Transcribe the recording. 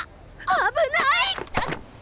危ない！